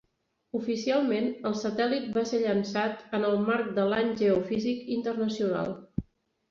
Oficialment el satèl·lit va ser llançat en el marc de l'Any Geofísic Internacional.